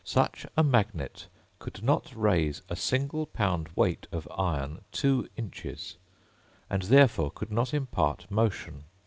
Such a magnet could not raise a single pound weight of iron two inches, and therefore could not impart motion.